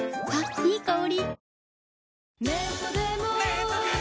いい香り。